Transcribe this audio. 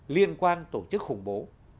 liên quan tổ chức khủng bố